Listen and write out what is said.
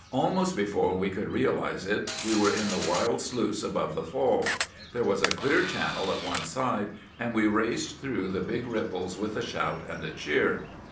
Almost before we could realize it we were in the wild sluice above the fall. There was a clear channel at one side, and we raced through the big ripples with a shout and a cheer.